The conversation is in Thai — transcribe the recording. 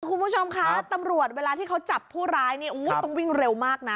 คุณผู้ชมคะตำรวจเวลาที่เขาจับผู้ร้ายเนี่ยต้องวิ่งเร็วมากนะ